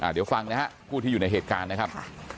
เดี๋ยวฟังนะครับผู้ที่อยู่ในเหตุการณ์นะครับ